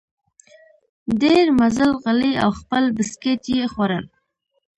ډېر مزل غلی او خپل بسکیټ یې خوړل.